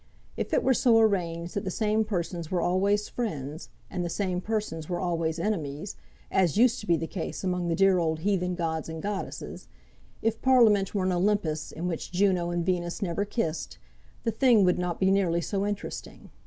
If it were so arranged that the same persons were always friends, and the same persons were always enemies, as used to be the case among the dear old heathen gods and goddesses; if Parliament were an Olympus in which Juno and Venus never kissed, the thing would not be nearly so interesting.